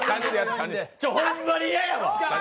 ほんまに嫌や！！